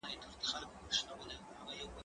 زه اوږده وخت د ښوونځی لپاره تياری کوم،